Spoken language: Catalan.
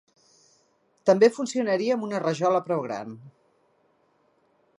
També funcionaria amb una rajola prou gran.